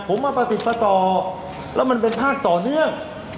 ผมมาประติดประต่อแล้วมันเป็นภาพต่อเนื่อง